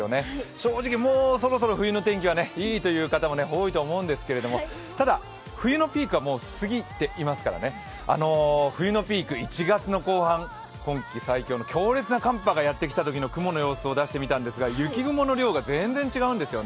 正直、もうそろそろ冬の天気はいいと思う方もいると思うんですがただ、冬のピークはもう過ぎていますからね、冬のピーク、１月の後半、今季最強の強烈な寒波がやってきたときの雲の様子を出してみたんですが雪雲の量が、全然違うんですよね。